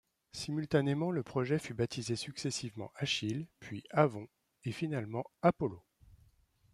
Simultanément le projet fut baptisé successivement Achilles, puis Avon, et finalement Apollo.